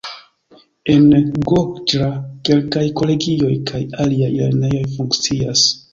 En Goĝra kelkaj kolegioj kaj aliaj lernejoj funkcias.